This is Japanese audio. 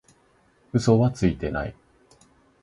嘘はついてない